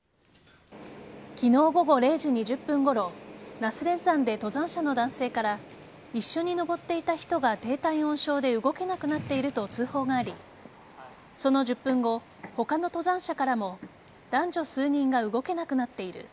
昨日午後０時２０分ごろ那須連山で登山者の男性から一緒に登っていた人が低体温症で動けなくなっていると通報がありその１０分後、他の登山者からも男女数人が動けなくなっている。